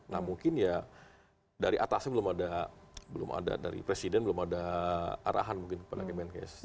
nah mungkin ya dari atasnya belum ada dari presiden belum ada arahan mungkin kepada kemenkes